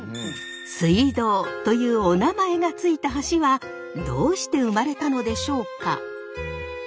水道というおなまえが付いた橋はどうして生まれたのでしょうか？